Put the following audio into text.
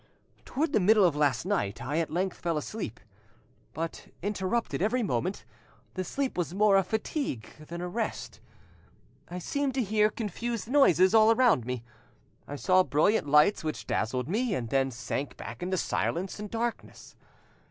"Towards the middle of last night I at length fell asleep, but, interrupted every moment, this sleep was more a fatigue than a rest; I seemed to hear confused noises all round me. I saw brilliant lights which dazzled me, and then sank back into silence and darkness.